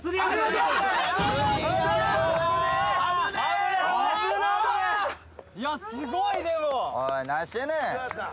いやすごいでも。